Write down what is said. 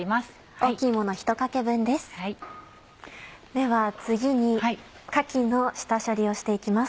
では次にかきの下処理をして行きます。